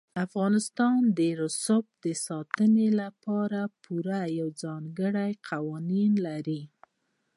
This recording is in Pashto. افغانستان د رسوب د ساتنې لپاره پوره او ځانګړي قوانین لري.